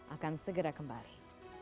akan segera kembali